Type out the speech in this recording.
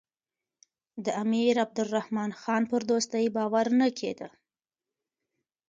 د امیر عبدالرحمن خان پر دوستۍ باور نه کېده.